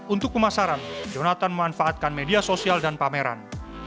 untuk pemasaran jonathan memanfaatkan media sosial dan pameran